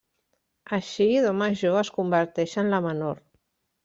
Així Do Major es converteix en la menor.